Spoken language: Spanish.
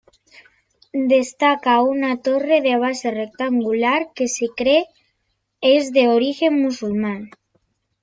Destaca una torre de base rectangular que se cree es de origen musulmán.